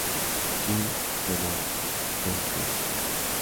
Kim-Renaud, Young-Key.